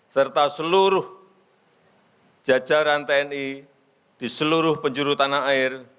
serta seluruh jajaran tni di seluruh penjuru tanah air